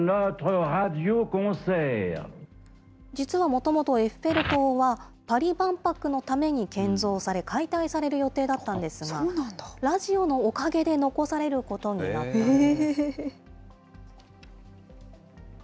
実はもともと、エッフェル塔は、パリ万博のために建造され、解体される予定だったんですが、ラジオのおかげで残されることになったんです。